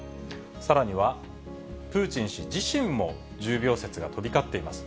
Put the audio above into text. さらには、プーチン氏自身も重病説が飛び交っています。